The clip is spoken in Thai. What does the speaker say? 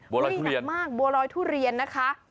บัวรอยทุเรียนมากบัวลอยทุเรียนนะคะ